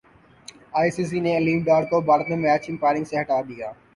ائی C C نے علیم ڈار کو بھارت میں میچ امپائرنگ سے ہٹا دیا